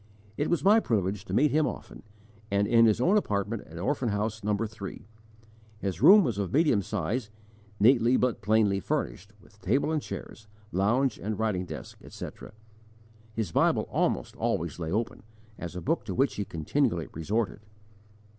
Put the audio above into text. It was my privilege to meet him often, and in his own apartment at Orphan House No. 3. His room was of medium size, neatly but plainly furnished, with table and chairs, lounge and writing desk, etc. His Bible almost always lay open, as a book to which he continually resorted.